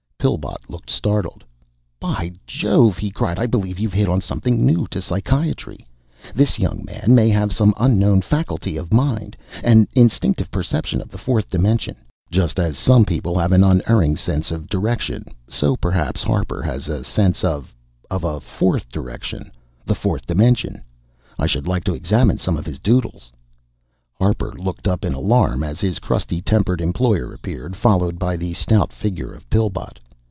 Pillbot looked startled. "By jove," he cried. "I believe you've hit on something new to psychiatry. This young man may have some unknown faculty of mind an instinctive perception of the fourth dimension. Just as some people have an unerring sense of direction, so perhaps Harper has a sense of of a fourth direction the fourth dimension! I should like to examine some of his 'doodles'." Harper looked up in alarm as his crusty tempered employer appeared, followed by the stout figure of Pillbot.